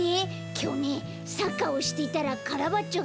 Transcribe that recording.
きょうねサッカーをしていたらカラバッチョがころんでね。